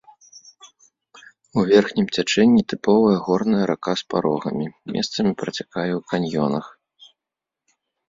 У верхнім цячэнні тыповая горная рака з парогамі, месцамі працякае ў каньёнах.